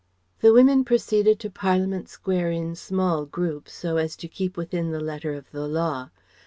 The women proceeded to Parliament Square in small groups so as to keep within the letter of the law.